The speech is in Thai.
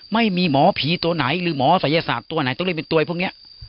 ไม่มีหมอผีตัวไหนหรือหมอศัยศาสตร์ตัวไหนต้องเล่นเป็นตัวไอพวกนี้